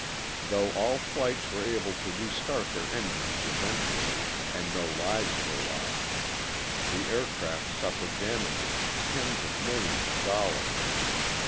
Though all flights were able to restart their engines eventually and no lives were lost, the aircraft suffered damages of tens of millions of dollars.